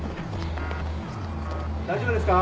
大丈夫ですか？